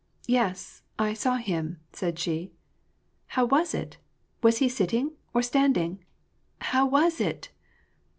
" Yes, I saw him," said she. "How was it ? was he sitting, or standing? How was it?